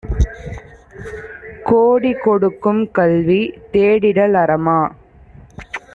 கோடி கொடுக்கும்கல்வி தேடிடல் அறமா?